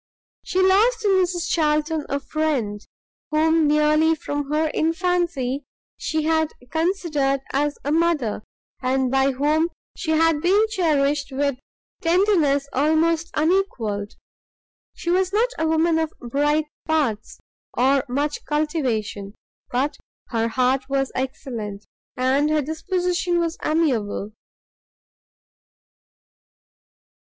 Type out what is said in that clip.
She lost in Mrs Charlton a friend, whom nearly from her infancy she had considered as a mother, and by whom she had been cherished with tenderness almost unequalled. She was not a woman of bright parts, or much cultivation, but her heart was excellent, and her disposition was amiable.